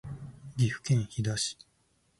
岐阜県飛騨市